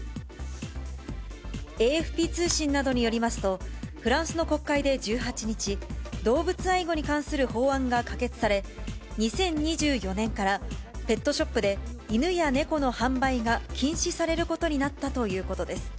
ＡＦＰ通信などによりますと、フランスの国会で１８日、動物愛護に関する法案が可決され、２０２４年から、ペットショップで犬や猫の販売が禁止されることになったということです。